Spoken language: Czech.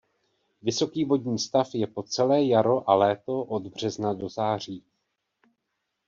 Vysoký vodní stav je po celé jaro a léto od března do září.